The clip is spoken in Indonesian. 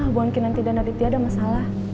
bukan kita nanti dan aditya ada masalah